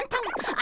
あ。